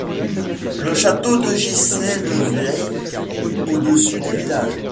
Le château de Gissey-le-Vieil au-dessus du village.